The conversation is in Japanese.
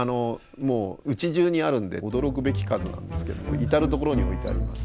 もううちじゅうにあるんで驚くべき数なんですけども至る所に置いてあります。